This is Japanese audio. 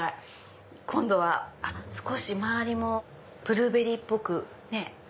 今度は少し回りもブルーベリーっぽくね。